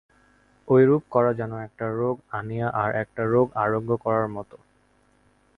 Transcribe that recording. ঐরূপ করা যেন একটা রোগ আনিয়া আর একটা রোগ আরোগ্য করার মত।